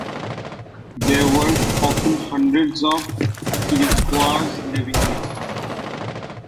There were often hundreds of Chiricahuas living nearby.